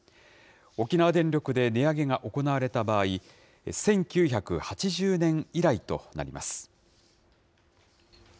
沖縄電力で値上げが行われた場合、１９８０年以来となります。